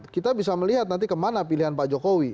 kita bisa melihat nanti kemana pilihan pak jokowi